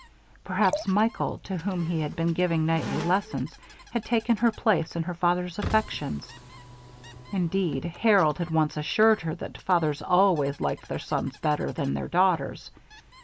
Perhaps Michael, to whom he had been giving nightly lessons, had taken her place in her father's affections. Indeed, Harold had once assured her that fathers always liked their sons better than their daughters.